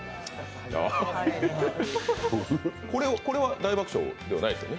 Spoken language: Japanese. これは大爆笑ではないですよね？